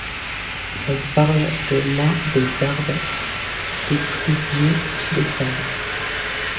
On parle de l'un des arbres des plus vieux d'Espagne.